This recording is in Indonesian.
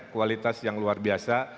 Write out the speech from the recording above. kualitas yang luar biasa